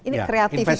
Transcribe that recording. ini kreatif itu tadi kan